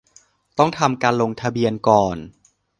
ต้องทำการลงทะเบียนก่อน